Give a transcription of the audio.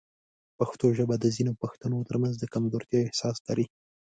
پښتو ژبه د ځینو پښتنو ترمنځ د کمزورتیا احساس لري.